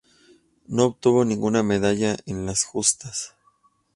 No obtuvo ninguna medalla en las justas.